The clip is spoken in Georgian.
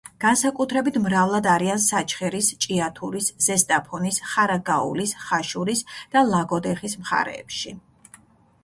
განსაკუთრებით მრავლად არიან საჩხერის, ჭიათურის, ზესტაფონის, ხარაგაულის, ხაშურის და ლაგოდეხის მხარეებში.